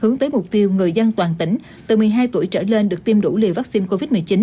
hướng tới mục tiêu người dân toàn tỉnh từ một mươi hai tuổi trở lên được tiêm đủ liều vaccine covid một mươi chín